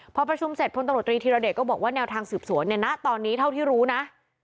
พอประชุมเสร็จพตฤธิรดิก็บอกว่าแนวทางสืบสวนตอนนี้เท่าที่รู้นะ